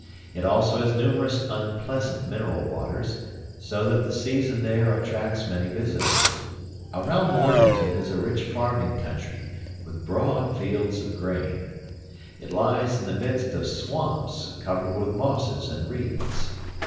It also has numerous unpleasant mineral waters, so that the season there attracts many visitors. Around Morganton is a rich farming country, with broad fields of grain. It lies in the midst of swamps, covered with mosses and reeds.